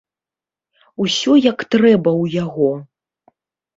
Усё як трэба ў яго.